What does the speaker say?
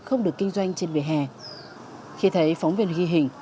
không được kinh doanh trên vỉa hè khi thấy phóng viên ghi hình